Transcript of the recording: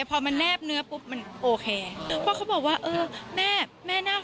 จะมีเซ็กซี่มากกว่านี้ไหมคะ